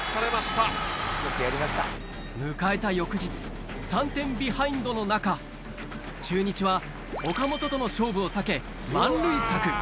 迎えた翌日３点ビハインドの中中日は岡本との勝負を避け満塁策